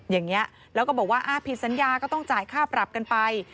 อย่างนี้แล้วก็บอกว่าผิดสัญญาก็ต้องจ่ายค่าปรับกันไป